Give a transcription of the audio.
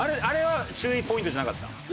あれは注意ポイントじゃなかった？